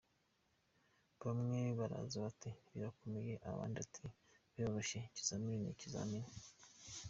Bamwe baraza bati ‘birakomeye’ abandi bati ‘biroroshye’, ibizamini ni ibizamini.